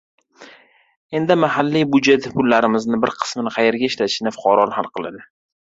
Endi mahalliy byudjet pullarining bir qismini qayerga ishlatishni fuqarolar hal qiladi